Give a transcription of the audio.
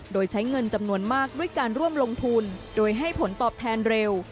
โดยใช้เงินจำนวนมากด้วยการร่วมลงทุนโดยให้ผลตอบแทนเร็ว